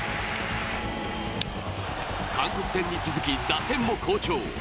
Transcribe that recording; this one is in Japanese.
韓国戦に続き打線も好調。